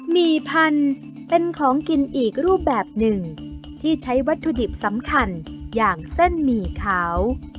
หี่พันธุ์เป็นของกินอีกรูปแบบหนึ่งที่ใช้วัตถุดิบสำคัญอย่างเส้นหมี่ขาว